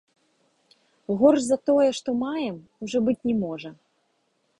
Горш за тое, што маем, ужо быць не можа.